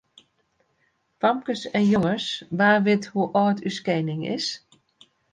Famkes en jonges, wa wit hoe âld as ús kening is?